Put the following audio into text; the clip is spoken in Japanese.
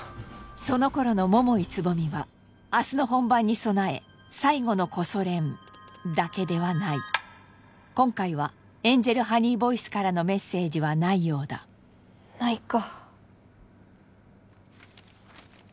その頃の桃井蕾未は明日の本番に備え最後のコソ練だけではない今回はエンジェルハニーボイスからのメッセージはないようだないか・